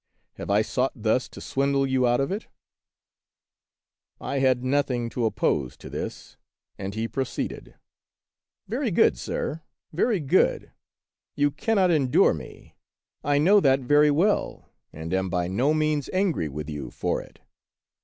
Have I sought thus to swindle you out of it ?" I had nothing to oppose to this, and he proceeded: 92 The Wo 7 iderful History "Very good, sir ! very good ! you cannot endure me ; I know that very well, and am by no means angry with you for it.